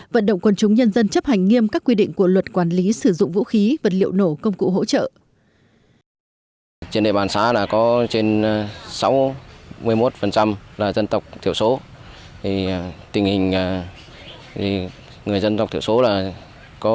vận động quân chúng nhân dân chấp hành nghiêm các quy định của luật quản lý sử dụng vũ khí vật liệu nổ công cụ hỗ trợ